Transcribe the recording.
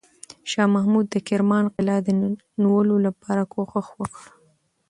شاه محمود د کرمان قلعه د نیولو لپاره کوښښ وکړ.